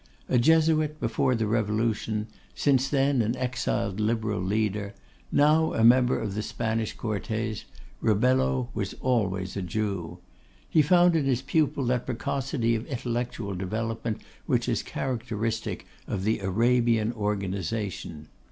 A Jesuit before the revolution; since then an exiled Liberal leader; now a member of the Spanish Cortes; Rebello was always a Jew. He found in his pupil that precocity of intellectual development which is characteristic of the Arabian organisation.